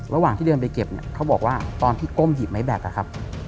ระหว่างที่เดินไปเก็บเนี่ยเขาบอกว่าตอนที่ก้มหยิบไม้แบ็คอะครับ